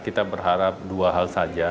kita berharap dua hal saja